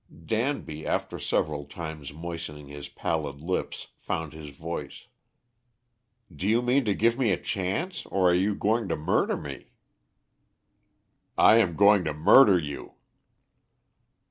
Danby, after several times moistening his pallid lips, found his voice. "Do you mean to give me a chance, or are you going to murder me?" "I am going to murder you."